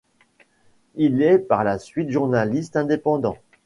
Il est par la suite journaliste indépendant.